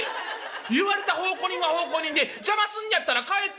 言われた奉公人も奉公人で『邪魔すんのやったら帰って』